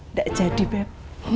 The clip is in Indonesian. nggak jadi beb